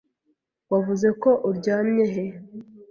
Wavuze ko uryamye he?